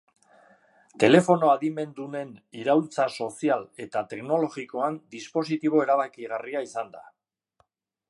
Telefono adimendunen iraultza sozial eta teknologikoan dispositibo erabakigarria izan da.